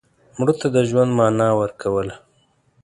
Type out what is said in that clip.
مړه ته د ژوند معنا ورکوله